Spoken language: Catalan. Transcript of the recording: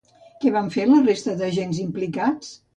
Què van fer la resta d'agents implicats?